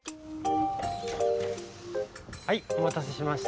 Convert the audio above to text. はいおまたせしました。